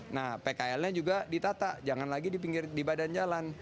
nah pkl nya juga ditata jangan lagi di pinggir di badan jalan